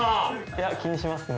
いや気にしますね。